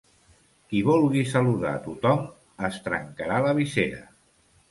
Qui vulgui saludar a tothom es trencarà la visera.